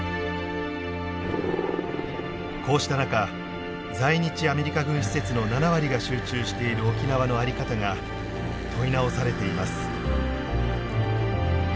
こうした中在日アメリカ軍施設の７割が集中している沖縄の在り方が問い直されています。